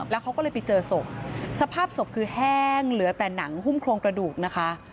แล้วเขาก็เลยไปเจอศพสภาพศพคือแห้งเหลือแต่หนังหุ้มโครงกระดูกนะคะ